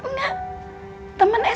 kamu inget gak temen kamu si eis